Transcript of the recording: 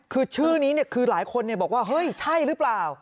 คือชื่อนี้คือหลายคนบอกว่าเฮ้ยใช่หรือเปล่า